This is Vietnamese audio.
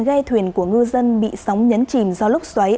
gây thuyền của ngư dân bị sóng nhấn chìm do lúc xoáy